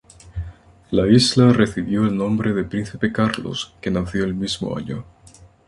La isla recibió el nombre de Príncipe Carlos, que nació el mismo año.